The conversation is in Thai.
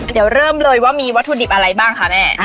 เดี๋ยวเริ่มเลยว่ามีวัตถุดิบอะไรบ้างคะแม่